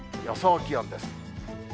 予想気温です。